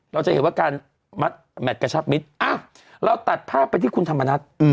เราจะเห็นว่าการมัดแมทกระชับมิตรเราตัดภาพไปที่คุณธรรมนัฐ